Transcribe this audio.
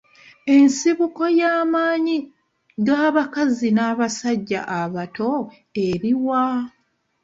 Ensibuko y'amaanyi g'abakazi n'abasajja abato eriwa?